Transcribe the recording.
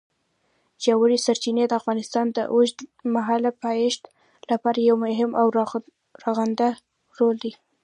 ژورې سرچینې د افغانستان د اوږدمهاله پایښت لپاره یو مهم او رغنده رول لري.